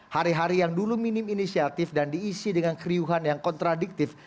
hari hari yang dulu minim inisiatif dan diisi dengan keriuhan yang kontradiktif